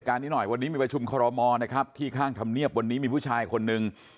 นี้หน่อยวันนี้มีประชุมคอรมอนะครับที่ข้างธรรมเนียบวันนี้มีผู้ชายคนหนึ่ง